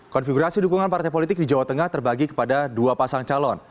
konfigurasi dukungan partai politik di jawa tengah terbagi kepada dua pasang calon